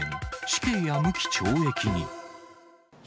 死刑や無期懲役に。